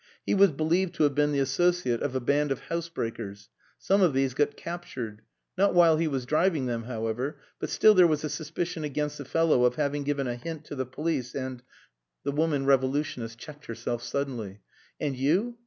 He was believed to have been the associate of a band of housebreakers. Some of these got captured. Not while he was driving them, however; but still there was a suspicion against the fellow of having given a hint to the police and... The woman revolutionist checked herself suddenly. "And you?